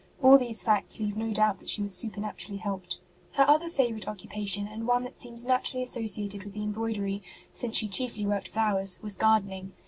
All these facts leave no doubt that she was supernaturally helped. Her other favourite occupation, and one that seems naturally associated with the embroidery, since she chiefly worked flowers, was gardening.